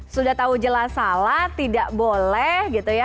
sudah tahu jelas salah tidak boleh gitu ya